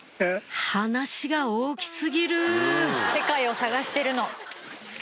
話が大き過ぎる世界を探してるの。